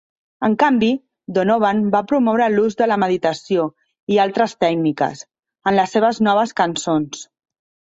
En canvi, Donovan va promoure l'ús de la meditació i altres tècniques, en les seves noves cançons.